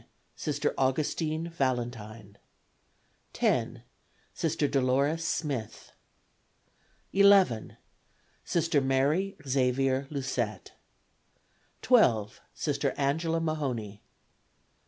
Sister Augustine Valentine. 10. Sister Dolores Smith. 11. Sister Mary Xavier Lucet. 12. Sister Angela Mahony.